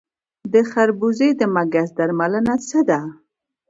د خربوزې د مګس درملنه څه ده؟